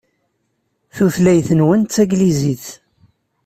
Tutlayt-nwen d taglizit.